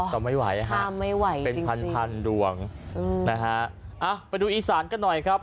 ถ้ามไม่ไหวนะฮะเป็นพันลวงนะคะเออไปดูอีสานก็หน่อยครับ